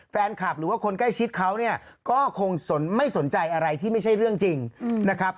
แฟนคลับหรือว่าคนใกล้ชิดเขาเนี่ยก็คงไม่สนใจอะไรที่ไม่ใช่เรื่องจริงนะครับ